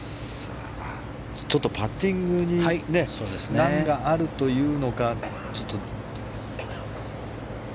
ちょっとパッティングに難があるというのが。